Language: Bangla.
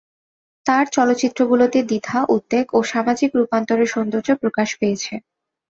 তার চলচ্চিত্রগুলোতে দ্বিধা, উদ্বেগ, ও সামাজিক রূপান্তরের সৌন্দর্য প্রকাশ পেয়েছে।